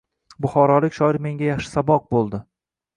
Buxorolik shoir menga yaxshi saboq bo’ldi.